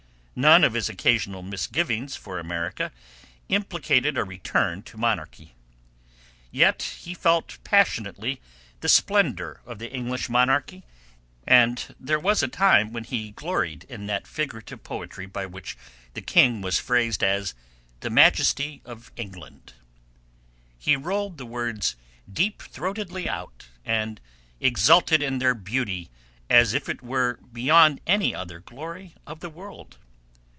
None of his occasional misgivings for America implicated a return to monarchy. Yet he felt passionately the splendor of the English monarchy, and there was a time when he gloried in that figurative poetry by which the king was phrased as "the Majesty of England." He rolled the words deep throatedly out, and exulted in their beauty as if it were beyond any other glory of the world.